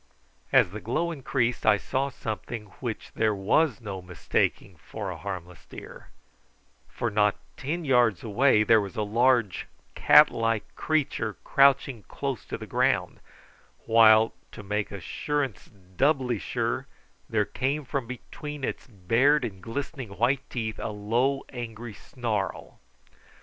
As the glow increased I saw something which there was no mistaking for a harmless deer, for not ten yards away there was a large cat like creature crouching close to the ground, while, to make assurance doubly sure, there came from between its bared and glistening white teeth a low angry snarl.